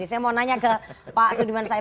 saya mau nanya ke pak sudirman said